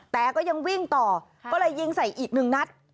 แต่ก็ยังวิ่งต่อก็เลยยิงใส่อีกหนึ่งนัด